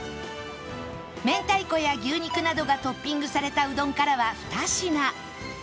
明太子や牛肉などがトッピングされたうどんからは２品